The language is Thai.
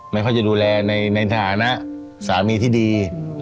ไม่ค่อยจะดูแลในฐานะสามีที่ดี